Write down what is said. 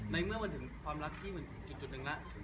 ในเมื่อมันถึงความรักที่เหมือนจุดหนึ่งแล้ว